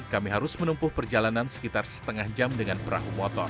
kami harus menempuh perjalanan sekitar setengah jam dengan perahu motor